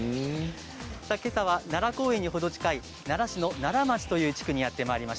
けさは奈良公園に程近い奈良市の奈良町という地区にお邪魔しています。